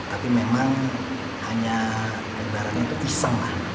tapi memang hanya kendaraannya itu isang lah